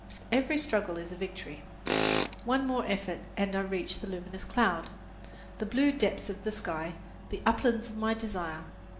Every struggle is a victory. One more effort and I reach the luminous cloud, the blue depths of the sky, the uplands of my desire.